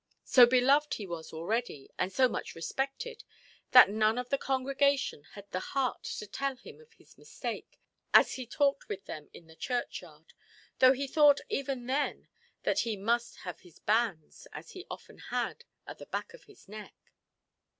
So beloved he was already, and so much respected, that none of the congregation had the heart to tell him of his mistake, as he talked with them in the churchyard; though he thought even then that he must have his bands, as he often had, at the back of his neck.